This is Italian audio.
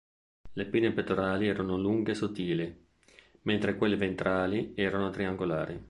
Le pinne pettorali erano lunghe e sottili, mentre quelle ventrali erano triangolari.